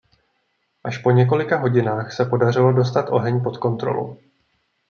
Až po několika hodinách se podařilo dostat oheň pod kontrolu.